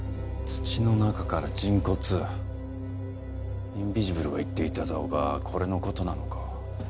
土の中から人骨インビジブルが言っていた動画はこれのことなのか？